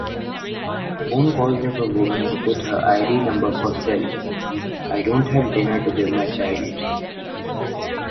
Phone calls of a woman who put her ID number for sell, I don’t have dinner to give my child!